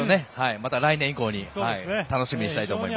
また来年以降に楽しみにしたいと思います。